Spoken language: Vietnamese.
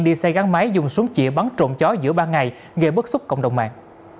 đi xe gắn máy dùng súng chỉa bắn trộn chó giữa ba ngày gây bất xúc cộng đồng mạng